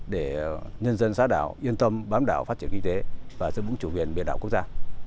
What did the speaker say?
để nhân dân xã đảo yên tâm bám đảo phát triển kinh tế và giữ vững chủ quyền biển đảo quốc gia